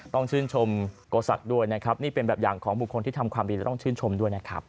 ต้องชื่นชมโกศักดิ์ด้วยนะครับนี่เป็นแบบอย่างของบุคคลที่ทำความดีแล้วต้องชื่นชมด้วยนะครับ